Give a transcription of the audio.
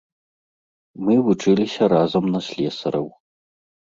Мы вучыліся разам на слесараў.